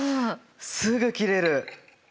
すぐ切れる。